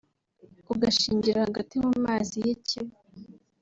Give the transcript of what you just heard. ugashingira hagati mu mazi y’i Kivu